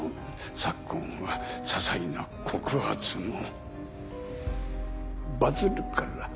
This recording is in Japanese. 昨今はささいな告発もバズるから。